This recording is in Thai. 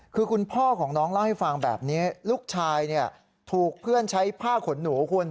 คือคุณพ่อของน้องเล่าให้ฟังแบบนี้ลูกชายถูกเพื่อนใช้ผ้าขนหนูคุณ